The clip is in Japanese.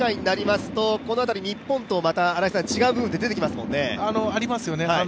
国際大会になりますと、この辺り、日本と違う部分って出てきますもんね。